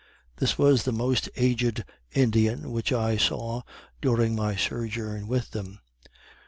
This was the most aged Indian which I saw during my sojourn with them.